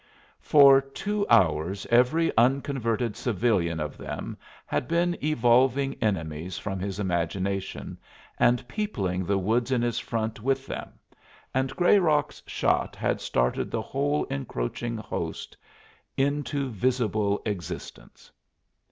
For two hours every unconverted civilian of them had been evolving enemies from his imagination, and peopling the woods in his front with them, and Grayrock's shot had started the whole encroaching host into visible existence.